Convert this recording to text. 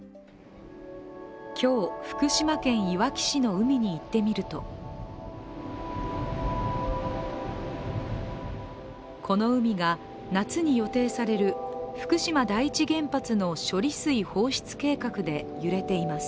今日、福島県いわき市の海に行ってみるとこの海が、夏に予定される福島第一原発の処理水放出計画で揺れています。